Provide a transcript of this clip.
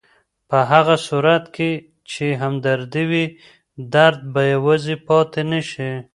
په هغه صورت کې چې همدردي وي، درد به یوازې پاتې نه شي.